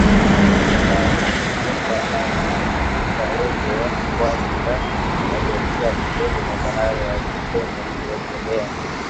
Waafrika wengi wa pwani na waliokua pembeni ya bahari wlipenda kuogelea